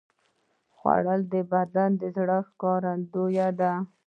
خوړل د پاک زړه ښکارندویي ده